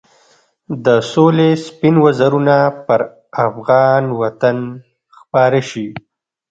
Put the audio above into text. د سولې سپین وزرونه به پر افغان وطن خپاره شي.